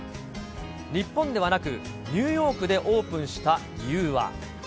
日本ではなく、ニューヨークでオープンした理由は。